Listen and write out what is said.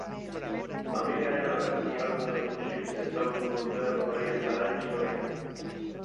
Familiaren argazki albuma ikusiz ezagutuko dute Rodrigueztarren historia.